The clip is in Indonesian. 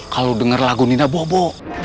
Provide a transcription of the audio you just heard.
kalau dengar lagu nina bobo